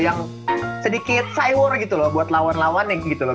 yang sedikit cy war gitu loh buat lawan lawannya gitu loh